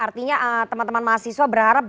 artinya teman teman mahasiswa berharap